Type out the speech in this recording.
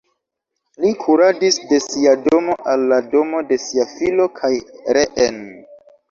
Li kuradis de sia domo al la domo de sia filo kaj reen.